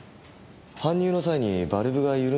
搬入の際にバルブが緩んだとしたら。